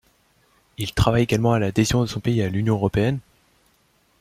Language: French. Il travaille également à l'adhésion de son pays à l'Union européenne.